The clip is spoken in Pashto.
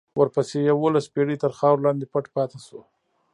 ورپسې یوولس پېړۍ تر خاورو لاندې پټ پاتې شو.